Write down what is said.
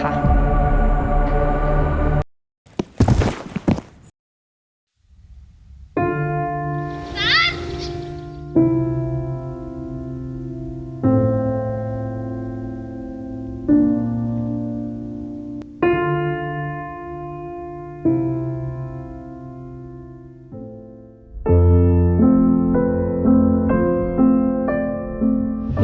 และมีคนต้องการปลอดภัณฑ์